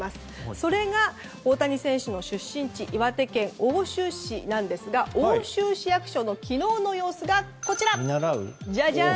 それが、大谷選手の出身地岩手県奥州市なんですが奥州市役所の昨日の様子がこちら！